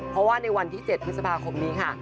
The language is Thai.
เพราะว่าในวันที่๗พฤษภาคมนี้ค่ะ